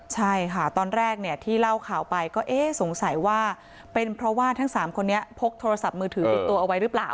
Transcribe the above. ใช่ค่ะตอนแรกเนี่ยที่เล่าข่าวไปก็เอ๊ะสงสัยว่าเป็นเพราะว่าทั้ง๓คนนี้พกโทรศัพท์มือถือติดตัวเอาไว้หรือเปล่า